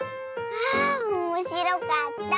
あおもしろかった。